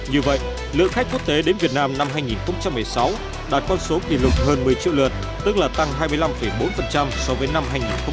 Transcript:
như vậy lượng khách quốc tế đến việt nam năm hai nghìn một mươi sáu đạt con số kỷ lục hơn một mươi triệu lượt tức là tăng hai mươi năm bốn so với năm hai nghìn một mươi bảy